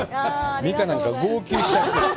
美佳なんか号泣しちゃって。